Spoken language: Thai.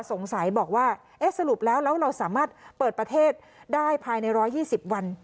สงสัยบอกว่าเอ๊ะสรุปแล้วแล้วเราสามารถเปิดประเทศได้ภายใน๑๒๐วัน